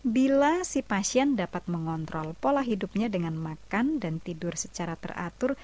bila si pasien dapat mengontrol pola hidupnya dengan makan dan tidur secara teratur